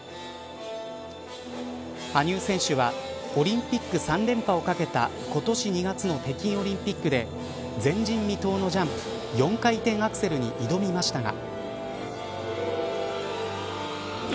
羽生選手はオリンピック３連覇をかけた今年２月の北京オリンピックで前人未踏のジャンプ４回転アクセルに挑みましたが。